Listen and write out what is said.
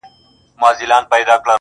ما درته نه ويل لمنه به دي اور واخلي ته,